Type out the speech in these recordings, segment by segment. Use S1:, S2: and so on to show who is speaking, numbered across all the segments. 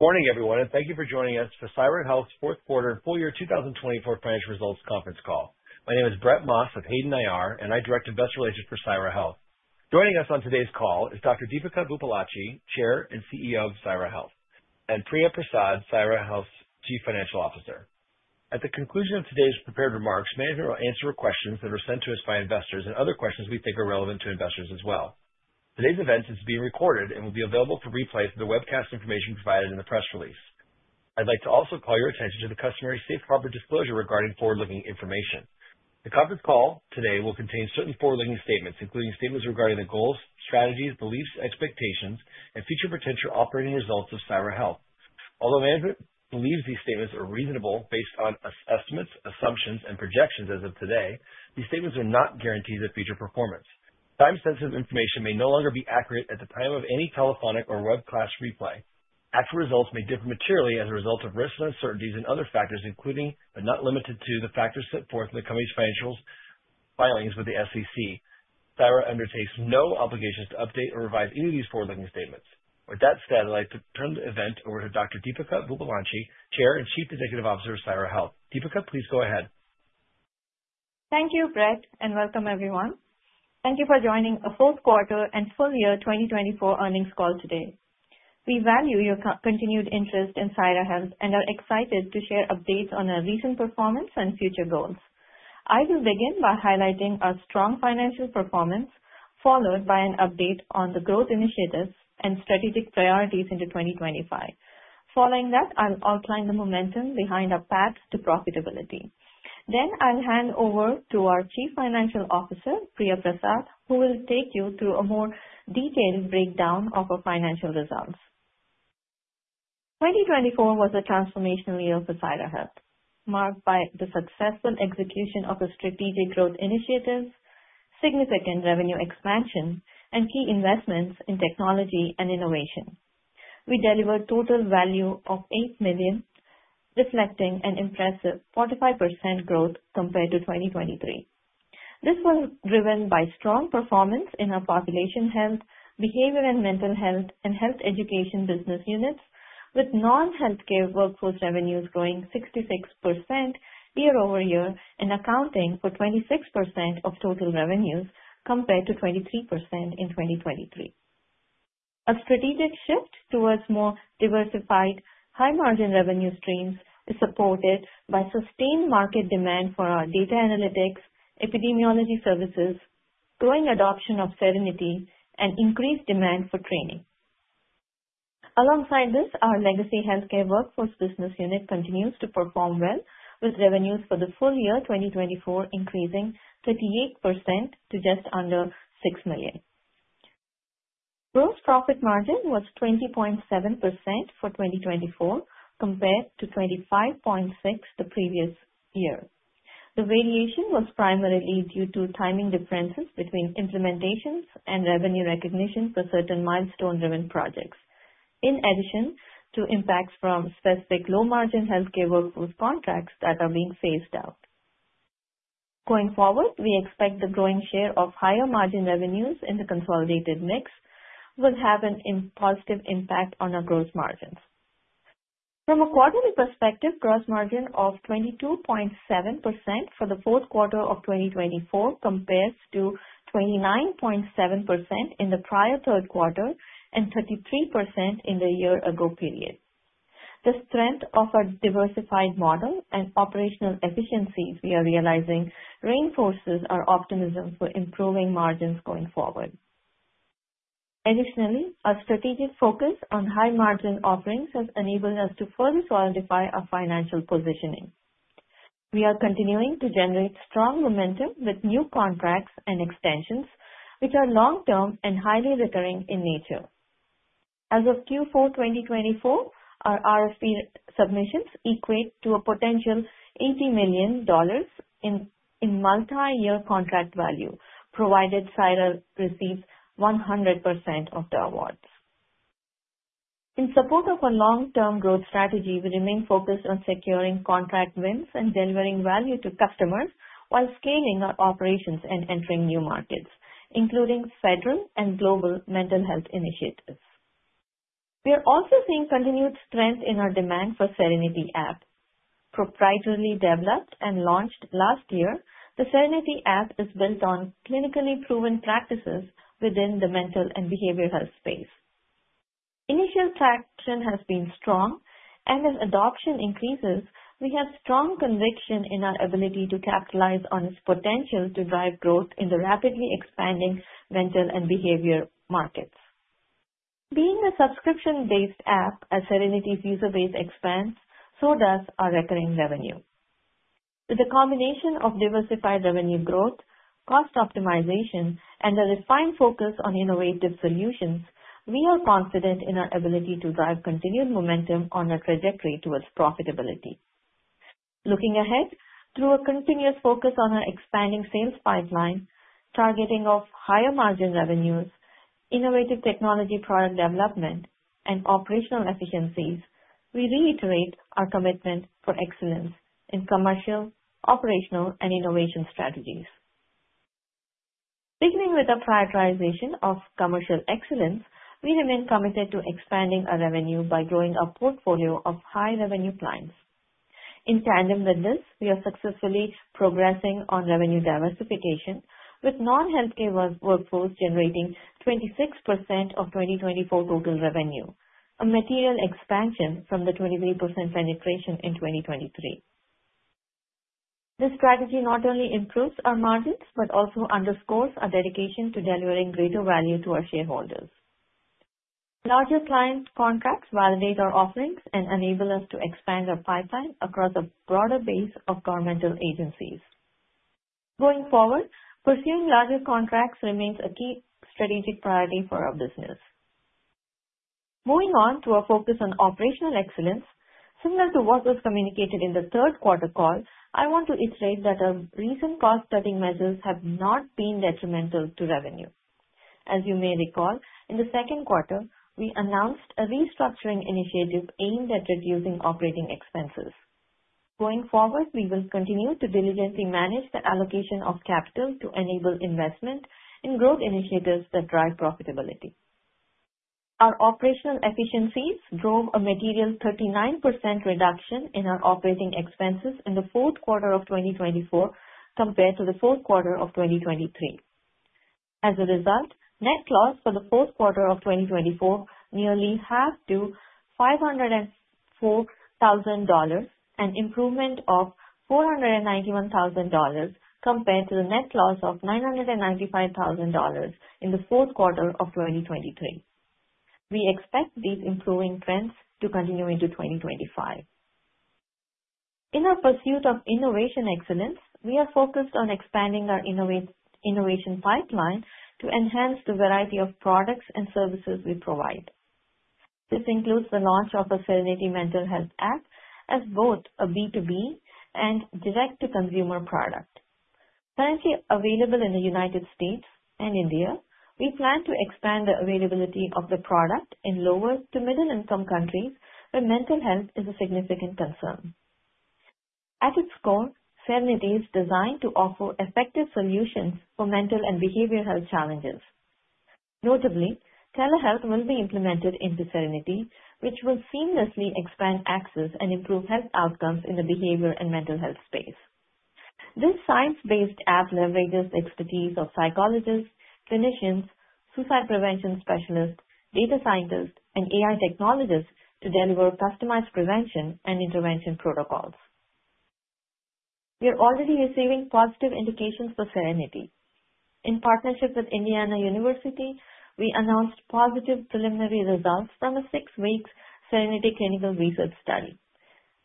S1: Morning, everyone, and thank you for joining us for Syra Health's fourth quarter and full year 2024 financial results conference call. My name is Brett Maas of Hayden IR, and I direct investor relations for Syra Health. Joining us on today's call is Dr. Deepika Vuppalanchi, Chair and CEO of Syra Health, and Priya Prasad, Syra Health's Chief Financial Officer. At the conclusion of today's prepared remarks, many of you will answer questions that are sent to us by investors and other questions we think are relevant to investors as well. Today's event is being recorded and will be available for replay through the webcast information provided in the press release. I'd like to also call your attention to the customary safe harbor disclosure regarding forward-looking information. The conference call today will contain certain forward-looking statements, including statements regarding the goals, strategies, beliefs, expectations, and future potential operating results of Syra Health. Although management believes these statements are reasonable based on estimates, assumptions, and projections as of today, these statements are not guarantees of future performance. Time-sensitive information may no longer be accurate at the time of any telephonic or webcast replay. Actual results may differ materially as a result of risks, uncertainties, and other factors, including, but not limited to, the factors set forth in the company's financials filings with the SEC. Syra undertakes no obligations to update or revise any of these forward-looking statements. With that said, I'd like to turn the event over to Dr. Deepika Vuppalanchi, Chair and Chief Executive Officer of Syra Health. Deepika, please go ahead.
S2: Thank you, Brett, and welcome, everyone. Thank you for joining our fourth quarter and full year 2024 earnings call today. We value your continued interest in Syra Health and are excited to share updates on our recent performance and future goals. I will begin by highlighting our strong financial performance, followed by an update on the growth initiatives and strategic priorities into 2025. Following that, I'll outline the momentum behind our path to profitability. I will hand over to our Chief Financial Officer, Priya Prasad, who will take you through a more detailed breakdown of our financial results. 2024 was a transformational year for Syra Health, marked by the successful execution of our strategic growth initiatives, significant revenue expansion, and key investments in technology and innovation. We delivered a total value of $8 million, reflecting an impressive 45% growth compared to 2023. This was driven by strong performance in our population health, behavioral and mental health, and health education business units, with non-healthcare workforce revenues growing 66% year over year and accounting for 26% of total revenues compared to 23% in 2023. Our strategic shift towards more diversified, high-margin revenue streams is supported by sustained market demand for our data analytics, epidemiology services, growing adoption of Syrenity, and increased demand for training. Alongside this, our legacy healthcare workforce business unit continues to perform well, with revenues for the full year 2024 increasing 38% to just under $6 million. Gross profit margin was 20.7% for 2024 compared to 25.6% the previous year. The variation was primarily due to timing differences between implementations and revenue recognition for certain milestone-driven projects, in addition to impacts from specific low-margin healthcare workforce contracts that are being phased out. Going forward, we expect the growing share of higher margin revenues in the consolidated mix will have a positive impact on our gross margins. From a quarterly perspective, gross margin of 22.7% for the fourth quarter of 2024 compares to 29.7% in the prior third quarter and 33% in the year-ago period. The strength of our diversified model and operational efficiencies we are realizing reinforces our optimism for improving margins going forward. Additionally, our strategic focus on high-margin offerings has enabled us to further solidify our financial positioning. We are continuing to generate strong momentum with new contracts and extensions, which are long-term and highly recurring in nature. As of Q4 2024, our RFP submissions equate to a potential $80 million in multi-year contract value, provided Syra Health receives 100% of the awards. In support of our long-term growth strategy, we remain focused on securing contract wins and delivering value to customers while scaling our operations and entering new markets, including federal and global mental health initiatives. We are also seeing continued strength in our demand for the Syrenity app. Proprietarily developed and launched last year, the Syrenity app is built on clinically proven practices within the mental and behavioral health space. Initial traction has been strong, and as adoption increases, we have strong conviction in our ability to capitalize on its potential to drive growth in the rapidly expanding mental and behavior markets. Being a subscription-based app, as Syrenity's user base expands, so does our recurring revenue. With the combination of diversified revenue growth, cost optimization, and a refined focus on innovative solutions, we are confident in our ability to drive continued momentum on our trajectory towards profitability. Looking ahead, through a continuous focus on our expanding sales pipeline, targeting of higher margin revenues, innovative technology product development, and operational efficiencies, we reiterate our commitment for excellence in commercial, operational, and innovation strategies. Beginning with the prioritization of commercial excellence, we remain committed to expanding our revenue by growing our portfolio of high-revenue clients. In tandem with this, we are successfully progressing on revenue diversification, with non-healthcare workforce generating 26% of 2024 total revenue, a material expansion from the 23% penetration in 2023. This strategy not only improves our margins but also underscores our dedication to delivering greater value to our shareholders. Larger client contracts validate our offerings and enable us to expand our pipeline across a broader base of governmental agencies. Going forward, pursuing larger contracts remains a key strategic priority for our business. Moving on to our focus on operational excellence, similar to what was communicated in the third quarter call, I want to iterate that our recent cost-cutting measures have not been detrimental to revenue. As you may recall, in the second quarter, we announced a restructuring initiative aimed at reducing operating expenses. Going forward, we will continue to diligently manage the allocation of capital to enable investment in growth initiatives that drive profitability. Our operational efficiencies drove a material 39% reduction in our operating expenses in the fourth quarter of 2024 compared to the fourth quarter of 2023. As a result, net loss for the fourth quarter of 2024 nearly halved to $504,000 and improved to $491,000 compared to the net loss of $995,000 in the fourth quarter of 2023. We expect these improving trends to continue into 2025. In our pursuit of innovation excellence, we are focused on expanding our innovation pipeline to enhance the variety of products and services we provide. This includes the launch of the Syrenity mental health app as both a B2B and direct-to-consumer product. Currently available in the United States and India, we plan to expand the availability of the product in lower to middle-income countries where mental health is a significant concern. At its core, Syrenity is designed to offer effective solutions for mental and behavioral health challenges. Notably, telehealth will be implemented into Syrenity, which will seamlessly expand access and improve health outcomes in the behavioral and mental health space. This science-based app leverages the expertise of psychologists, clinicians, suicide prevention specialists, data scientists, and AI technologists to deliver customized prevention and intervention protocols. We are already receiving positive indications for Syrenity. In partnership with Indiana University, we announced positive preliminary results from a six-week Syrenity clinical research study.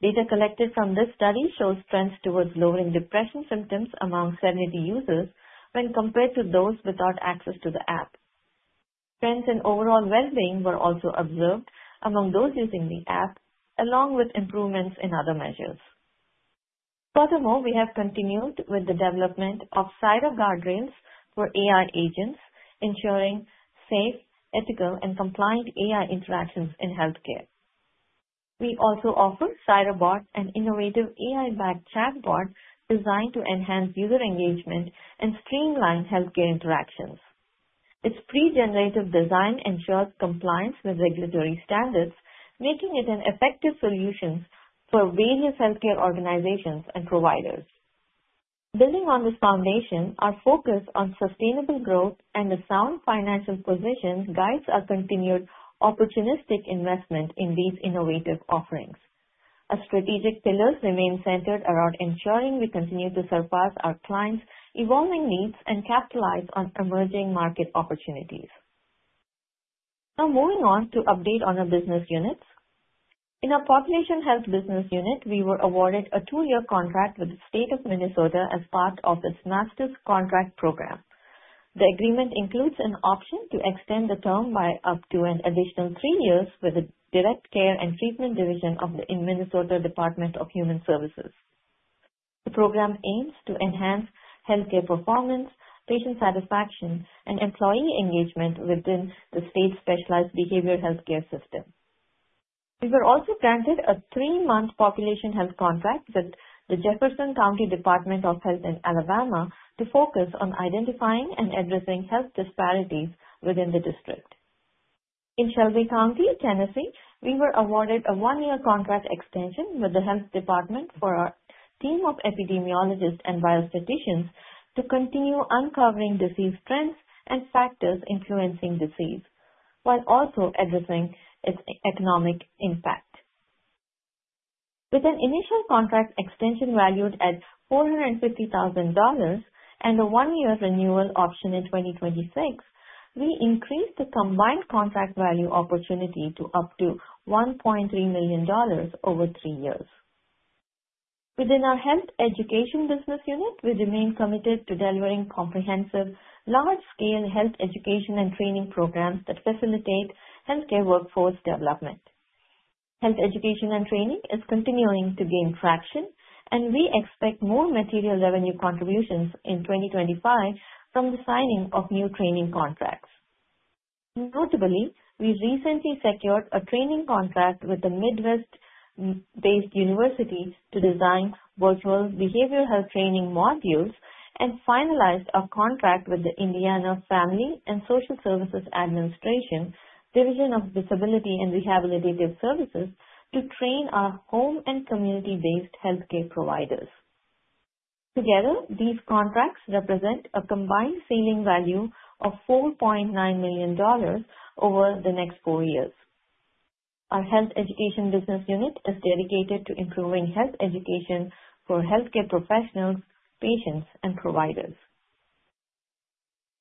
S2: Data collected from this study shows trends towards lowering depression symptoms among Syrenity users when compared to those without access to the app. Trends in overall well-being were also observed among those using the app, along with improvements in other measures. Furthermore, we have continued with the development of Syra Guardrails for AI agents, ensuring safe, ethical, and compliant AI interactions in healthcare. We also offer SyraBot, an innovative AI-backed chatbot designed to enhance user engagement and streamline healthcare interactions. Its pre-generative design ensures compliance with regulatory standards, making it an effective solution for various healthcare organizations and providers. Building on this foundation, our focus on sustainable growth and a sound financial position guides our continued opportunistic investment in these innovative offerings. Our strategic pillars remain centered around ensuring we continue to surpass our clients' evolving needs and capitalize on emerging market opportunities. Now, moving on to update on our business units. In our population health business unit, we were awarded a two-year contract with the State of Minnesota as part of its Master Contract Program. The agreement includes an option to extend the term by up to an additional three years with the Direct Care and Treatment Division of the Minnesota Department of Human Services. The program aims to enhance healthcare performance, patient satisfaction, and employee engagement within the state-specialized behavioral healthcare system. We were also granted a three-month population health contract with the Jefferson County Department of Health in Alabama to focus on identifying and addressing health disparities within the district. In Shelby County, Tennessee, we were awarded a one-year contract extension with the health department for our team of epidemiologists and biostatisticians to continue uncovering disease trends and factors influencing disease, while also addressing its economic impact. With an initial contract extension valued at $450,000 and a one-year renewal option in 2026, we increased the combined contract value opportunity to up to $1.3 million over three years. Within our health education business unit, we remain committed to delivering comprehensive, large-scale health education and training programs that facilitate healthcare workforce development. Health education and training is continuing to gain traction, and we expect more material revenue contributions in 2025 from the signing of new training contracts. Notably, we recently secured a training contract with a Midwest-based university to design virtual behavioral health training modules and finalized a contract with the Indiana Family and Social Services Administration Division of Disability and Rehabilitative Services to train our home and community-based healthcare providers. Together, these contracts represent a combined ceiling value of $4.9 million over the next four years. Our health education business unit is dedicated to improving health education for healthcare professionals, patients, and providers.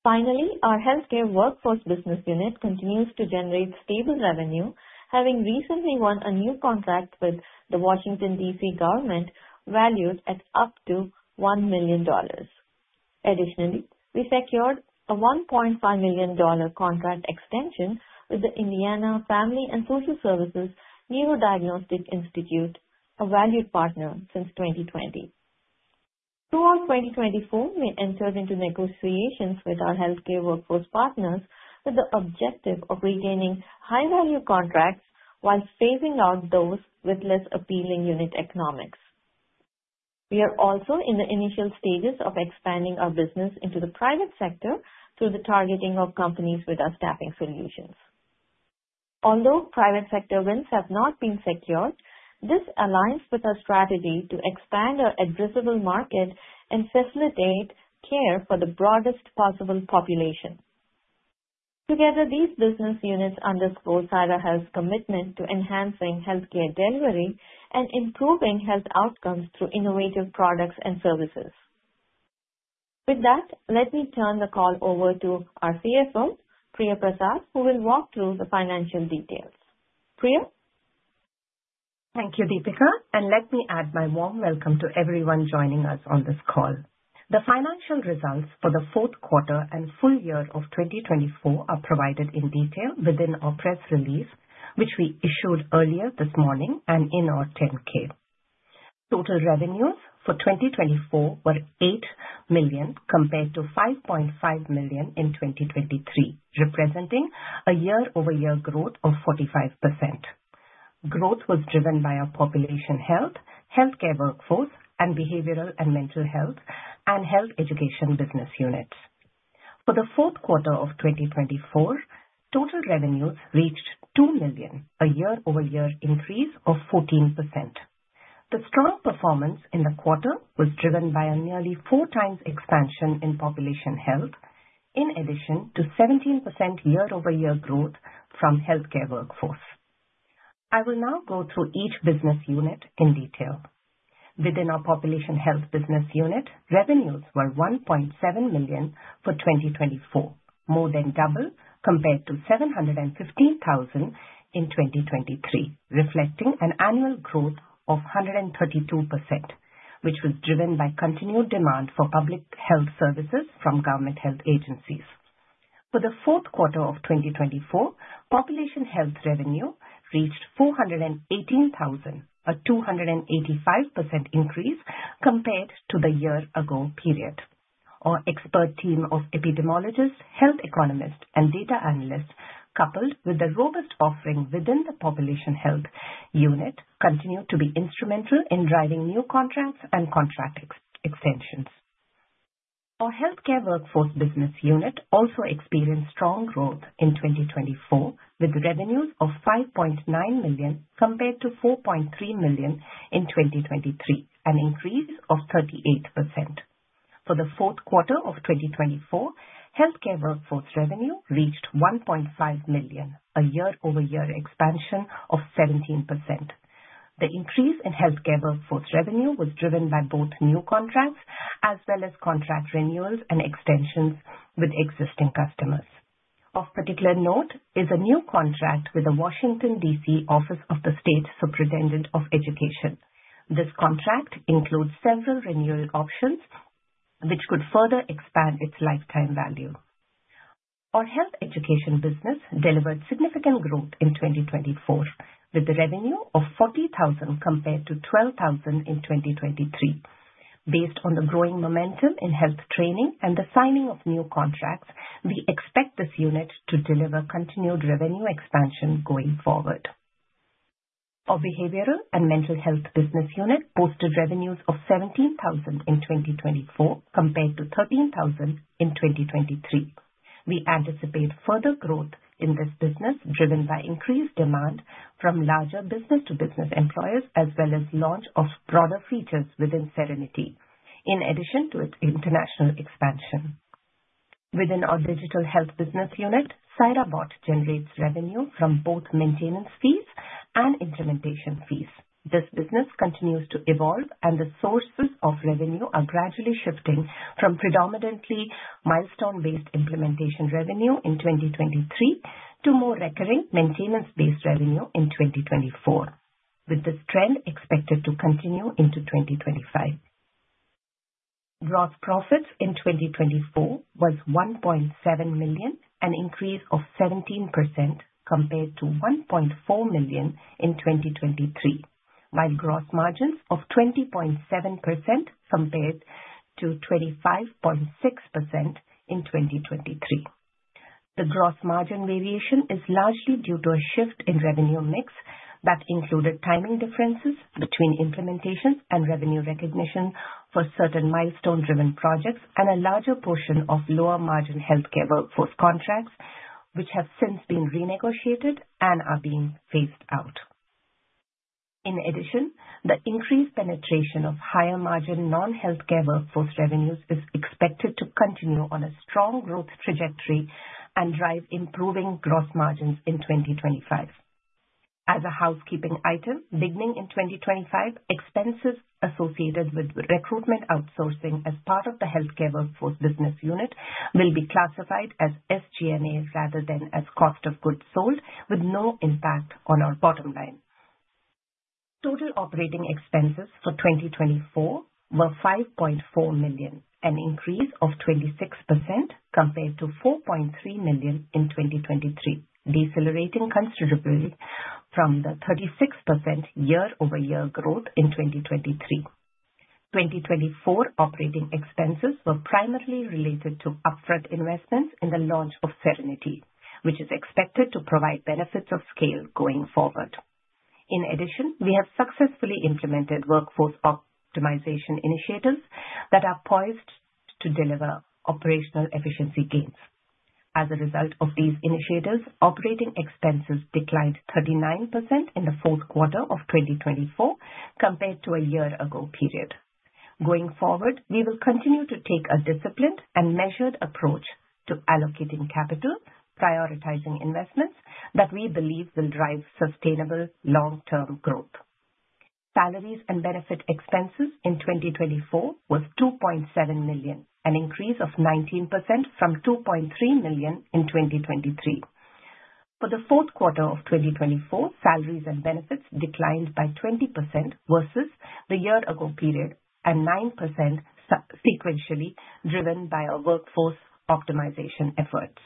S2: Finally, our healthcare workforce business unit continues to generate stable revenue, having recently won a new contract with the Washington, D.C. government valued at up to $1 million. Additionally, we secured a $1.5 million contract extension with the Indiana Family and Social Services Neurodiagnostic Institute, a valued partner since 2020. Throughout 2024, we entered into negotiations with our healthcare workforce partners with the objective of retaining high-value contracts while phasing out those with less appealing unit economics. We are also in the initial stages of expanding our business into the private sector through the targeting of companies with our staffing solutions. Although private sector wins have not been secured, this aligns with our strategy to expand our addressable market and facilitate care for the broadest possible population. Together, these business units underscore Syra Health's commitment to enhancing healthcare delivery and improving health outcomes through innovative products and services. With that, let me turn the call over to our CFO, Priya Prasad, who will walk through the financial details. Priya?
S3: Thank you, Deepika. Let me add my warm welcome to everyone joining us on this call. The financial results for the fourth quarter and full year of 2024 are provided in detail within our press release, which we issued earlier this morning and in our 10-K. Total revenues for 2024 were $8 million compared to $5.5 million in 2023, representing a year-over-year growth of 45%. Growth was driven by our population health, healthcare workforce, and behavioral and mental health, and health education business units. For the fourth quarter of 2024, total revenues reached $2 million, a year-over-year increase of 14%. The strong performance in the quarter was driven by a nearly four-times expansion in population health, in addition to 17% year-over-year growth from healthcare workforce. I will now go through each business unit in detail. Within our population health business unit, revenues were $1.7 million for 2024, more than double compared to $715,000 in 2023, reflecting an annual growth of 132%, which was driven by continued demand for public health services from government health agencies. For the fourth quarter of 2024, population health revenue reached $418,000, a 285% increase compared to the year-ago period. Our expert team of epidemiologists, health economists, and data analysts, coupled with the robust offering within the population health unit, continued to be instrumental in driving new contracts and contract extensions. Our healthcare workforce business unit also experienced strong growth in 2024, with revenues of $5.9 million compared to $4.3 million in 2023, an increase of 38%. For the fourth quarter of 2024, healthcare workforce revenue reached $1.5 million, a year-over-year expansion of 17%. The increase in healthcare workforce revenue was driven by both new contracts as well as contract renewals and extensions with existing customers. Of particular note is a new contract with the Washington, D.C. Office of the State Superintendent of Education. This contract includes several renewal options, which could further expand its lifetime value. Our health education business delivered significant growth in 2024, with revenues of $40,000 compared to $12,000 in 2023. Based on the growing momentum in health training and the signing of new contracts, we expect this unit to deliver continued revenue expansion going forward. Our behavioral and mental health business unit posted revenues of $17,000 in 2024 compared to $13,000 in 2023. We anticipate further growth in this business, driven by increased demand from larger business-to-business employers as well as the launch of broader features within Syrenity, in addition to its international expansion. Within our Digital Health business unit, SyraBot generates revenue from both maintenance fees and implementation fees. This business continues to evolve, and the sources of revenue are gradually shifting from predominantly milestone-based implementation revenue in 2023 to more recurring maintenance-based revenue in 2024, with this trend expected to continue into 2025. Gross profits in 2024 were $1.7 million, an increase of 17% compared to $1.4 million in 2023, while gross margins were 20.7% compared to 25.6% in 2023. The gross margin variation is largely due to a shift in revenue mix that included timing differences between implementations and revenue recognition for certain milestone-driven projects and a larger portion of lower-margin healthcare workforce contracts, which have since been renegotiated and are being phased out. In addition, the increased penetration of higher-margin non-healthcare workforce revenues is expected to continue on a strong growth trajectory and drive improving gross margins in 2025. As a housekeeping item, beginning in 2025, expenses associated with recruitment outsourcing as part of the healthcare workforce business unit will be classified as SG&A rather than as cost of goods sold, with no impact on our bottom line. Total operating expenses for 2024 were $5.4 million, an increase of 26% compared to $4.3 million in 2023, decelerating considerably from the 36% year-over-year growth in 2023. 2024 operating expenses were primarily related to upfront investments in the launch of Syrenity, which is expected to provide benefits of scale going forward. In addition, we have successfully implemented workforce optimization initiatives that are poised to deliver operational efficiency gains. As a result of these initiatives, operating expenses declined 39% in the fourth quarter of 2024 compared to a year-ago period. Going forward, we will continue to take a disciplined and measured approach to allocating capital, prioritizing investments that we believe will drive sustainable long-term growth. Salaries and benefit expenses in 2024 were $2.7 million, an increase of 19% from $2.3 million in 2023. For the fourth quarter of 2024, salaries and benefits declined by 20% versus the year-ago period and 9% sequentially, driven by our workforce optimization efforts.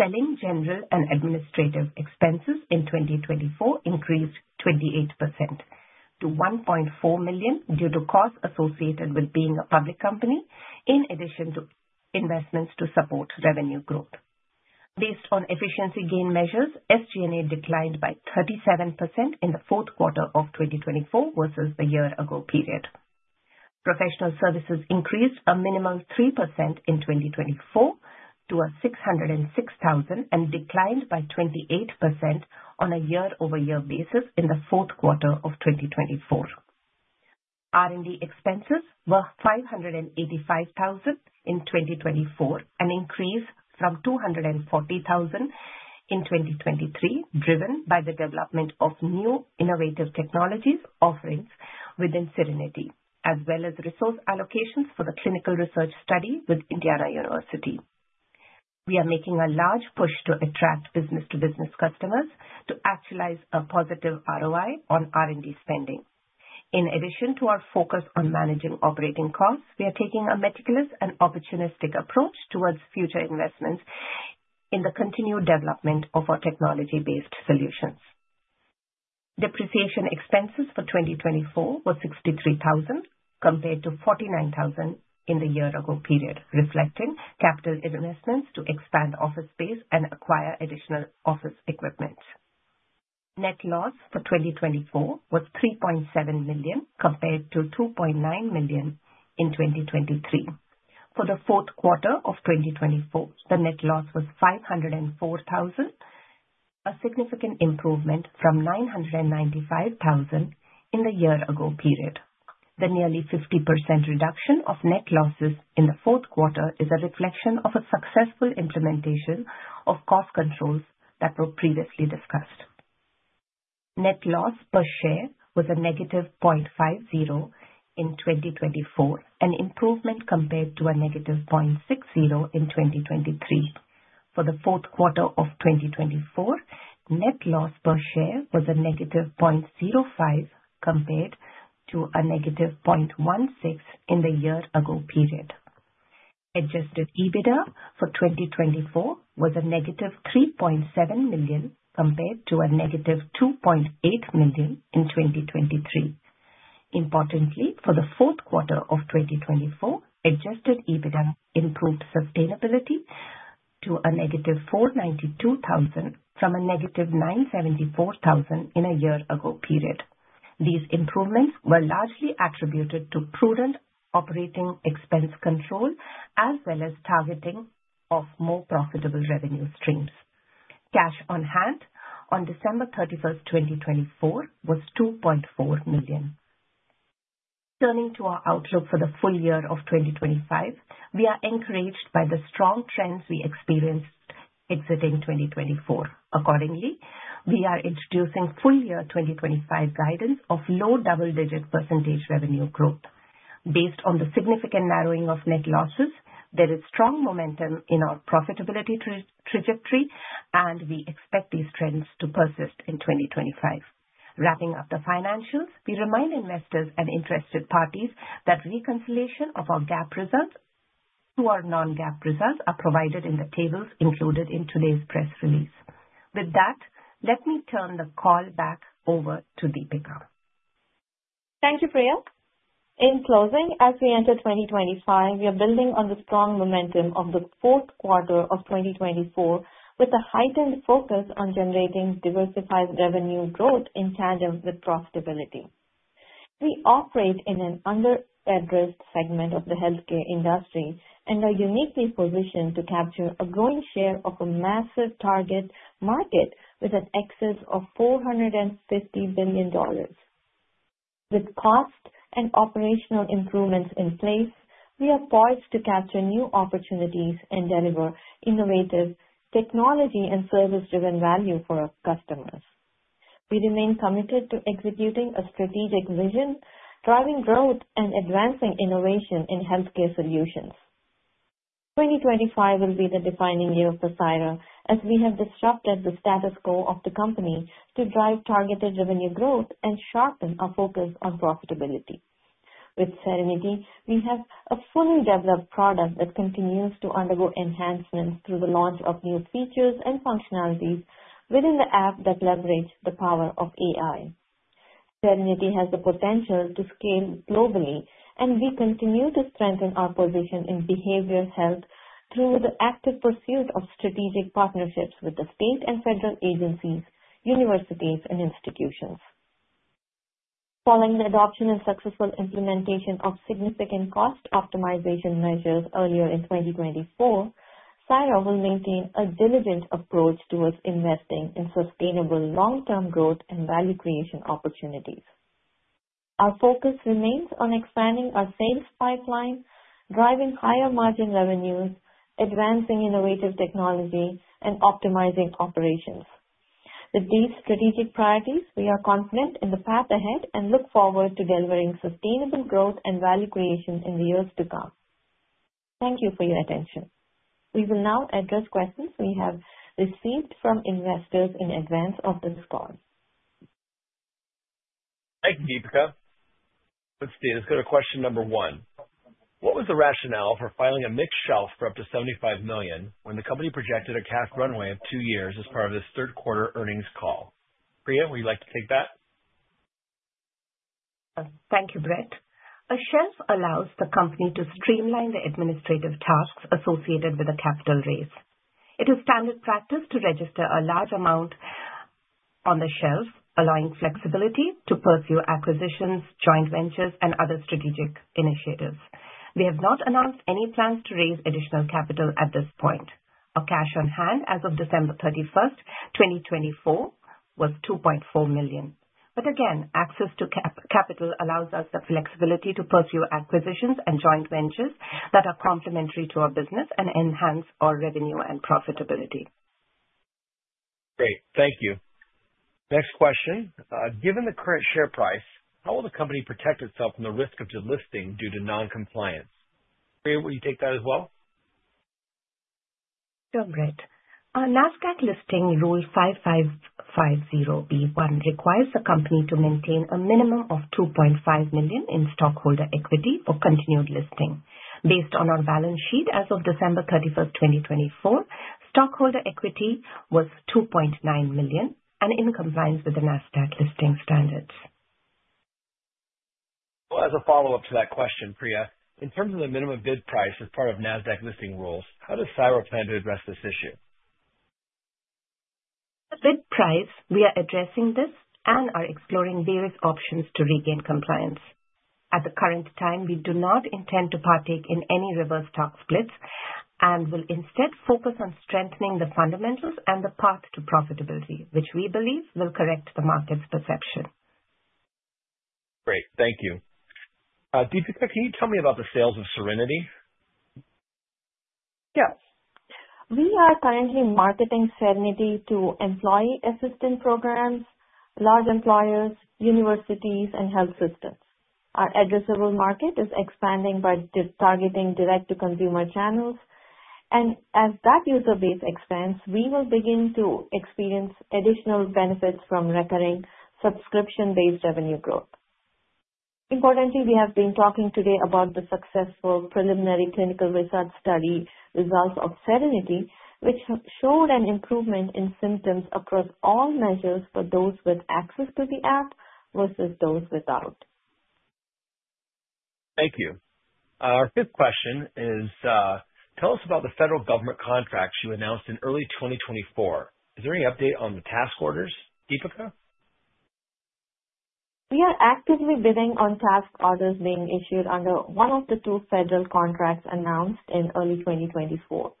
S3: Selling, general and administrative expenses in 2024 increased 28% to $1.4 million due to costs associated with being a public company, in addition to investments to support revenue growth. Based on efficiency gain measures, SG&A declined by 37% in the fourth quarter of 2024 versus the year-ago period. Professional services increased a minimum of 3% in 2024 to $606,000 and declined by 28% on a year-over-year basis in the fourth quarter of 2024. R&D expenses were $585,000 in 2024, an increase from $240,000 in 2023, driven by the development of new innovative technologies offerings within Syrenity, as well as resource allocations for the clinical research study with Indiana University. We are making a large push to attract business-to-business customers to actualize a positive ROI on R&D spending. In addition to our focus on managing operating costs, we are taking a meticulous and opportunistic approach towards future investments in the continued development of our technology-based solutions. Depreciation expenses for 2024 were $63,000 compared to $49,000 in the year-ago period, reflecting capital investments to expand office space and acquire additional office equipment. Net loss for 2024 was $3.7 million compared to $2.9 million in 2023. For the fourth quarter of 2024, the net loss was $504,000, a significant improvement from $995,000 in the year-ago period. The nearly 50% reduction of net losses in the fourth quarter is a reflection of a successful implementation of cost controls that were previously discussed. Net loss per share was a negative $0.50 in 2024, an improvement compared to a negative $0.60 in 2023. For the fourth quarter of 2024, net loss per share was a negative $0.05 compared to a negative $0.16 in the year-ago period. Adjusted EBITDA for 2024 was a negative $3.7 million compared to a negative $2.8 million in 2023. Importantly, for the fourth quarter of 2024, adjusted EBITDA improved sustainability to a negative $492,000 from a negative $974,000 in a year-ago period. These improvements were largely attributed to prudent operating expense control as well as targeting more profitable revenue streams. Cash on hand on December 31, 2024, was $2.4 million. Turning to our outlook for the full year of 2025, we are encouraged by the strong trends we experienced exiting 2024. Accordingly, we are introducing full year 2025 guidance of low double-digit % revenue growth. Based on the significant narrowing of net losses, there is strong momentum in our profitability trajectory, and we expect these trends to persist in 2025. Wrapping up the financials, we remind investors and interested parties that reconciliation of our GAAP results to our non-GAAP results are provided in the tables included in today's press release. With that, let me turn the call back over to Deepika.
S2: Thank you, Priya. In closing, as we enter 2025, we are building on the strong momentum of the fourth quarter of 2024 with a heightened focus on generating diversified revenue growth in tandem with profitability. We operate in an under-addressed segment of the healthcare industry and are uniquely positioned to capture a growing share of a massive target market with an excess of $450 billion. With cost and operational improvements in place, we are poised to capture new opportunities and deliver innovative technology and service-driven value for our customers. We remain committed to executing a strategic vision, driving growth, and advancing innovation in healthcare solutions. 2025 will be the defining year for Syra Health, as we have disrupted the status quo of the company to drive targeted revenue growth and sharpen our focus on profitability. With Syrenity, we have a fully developed product that continues to undergo enhancements through the launch of new features and functionalities within the app that leverage the power of AI. Syrenity has the potential to scale globally, and we continue to strengthen our position in behavioral health through the active pursuit of strategic partnerships with state and federal agencies, universities, and institutions. Following the adoption and successful implementation of significant cost optimization measures earlier in 2024, Syra will maintain a diligent approach towards investing in sustainable long-term growth and value creation opportunities. Our focus remains on expanding our sales pipeline, driving higher margin revenues, advancing innovative technology, and optimizing operations. With these strategic priorities, we are confident in the path ahead and look forward to delivering sustainable growth and value creation in the years to come. Thank you for your attention. We will now address questions we have received from investors in advance of this call.
S1: Thank you, Deepika. Let's see. Let's go to question number one. What was the rationale for filing a mixed shelf for up to $75 million when the company projected a cash runway of two years as part of this third quarter earnings call? Priya, would you like to take that?
S3: Thank you, Brett. A shelf allows the company to streamline the administrative tasks associated with a capital raise. It is standard practice to register a large amount on the shelf, allowing flexibility to pursue acquisitions, joint ventures, and other strategic initiatives. We have not announced any plans to raise additional capital at this point. Our cash on hand as of December 31, 2024, was $2.4 million. Again, access to capital allows us the flexibility to pursue acquisitions and joint ventures that are complementary to our business and enhance our revenue and profitability.
S1: Great. Thank you. Next question. Given the current share price, how will the company protect itself from the risk of delisting due to non-compliance? Priya, will you take that as well?
S3: Sure, Brett. NASDAQ Listing Rule 5550(b)(1) requires the company to maintain a minimum of $2.5 million in stockholder equity for continued listing. Based on our balance sheet as of December 31, 2024, stockholder equity was $2.9 million, and in compliance with the NASDAQ listing standards.
S1: As a follow-up to that question, Priya, in terms of the minimum bid price as part of NASDAQ listing rules, how does Syra plan to address this issue?
S3: The bid price, we are addressing this and are exploring various options to regain compliance. At the current time, we do not intend to partake in any reverse stock splits and will instead focus on strengthening the fundamentals and the path to profitability, which we believe will correct the market's perception.
S1: Great. Thank you. Deepika, can you tell me about the sales of Syrenity?
S2: Yes. We are currently marketing Syrenity to employee assistance programs, large employers, universities, and health systems. Our addressable market is expanding by targeting direct-to-consumer channels. As that user base expands, we will begin to experience additional benefits from recurring subscription-based revenue growth. Importantly, we have been talking today about the successful preliminary clinical research study results of Syrenity, which showed an improvement in symptoms across all measures for those with access to the app versus those without.
S1: Thank you. Our fifth question is, tell us about the federal government contracts you announced in early 2024. Is there any update on the task orders, Deepika?
S2: We are actively bidding on task orders being issued under one of the two federal contracts announced in early 2024.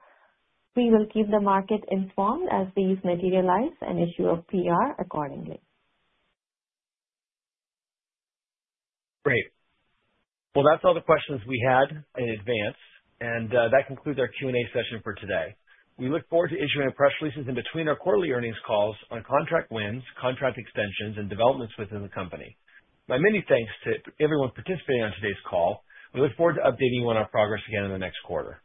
S2: We will keep the market informed as these materialize and issue a PR accordingly.
S1: Great. That is all the questions we had in advance, and that concludes our Q&A session for today. We look forward to issuing our press releases in between our quarterly earnings calls on contract wins, contract extensions, and developments within the company. My many thanks to everyone participating on today's call. We look forward to updating you on our progress again in the next quarter.